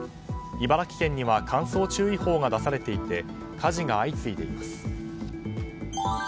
茨城県には乾燥注意報が出されていて火事が相次いでいます。